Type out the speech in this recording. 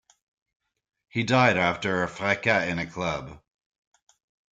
He died after a fracas in a club.